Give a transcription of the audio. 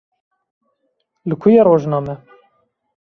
Li ku ye rojname?